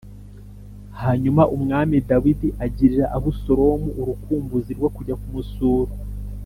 Hanyuma Umwami Dawidi agirira Abusalomu urukumbuzi rwo kujya kumusura